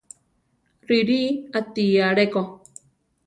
Riʼrí ati aléko.